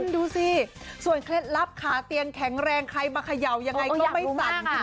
ดูสิส่วนเคล็ดลับขาเตียงแข็งแรงใครมาเขย่ายังไงก็ไม่สั่นค่ะ